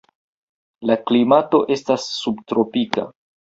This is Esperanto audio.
La klimato estas subtropika.